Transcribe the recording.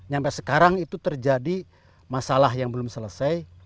sampai sekarang itu terjadi masalah yang belum selesai